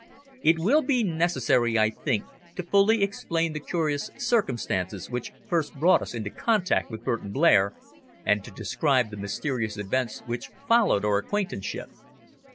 It will be necessary, I think, to fully explain the curious circumstances which first brought us into contact with Burton Blair, and to describe the mysterious events which followed our acquaintanceship.